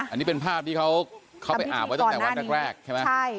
อันนี้เป็นภาพที่เขาไปอาบไว้ตั้งแต่วันแรกใช่ไหม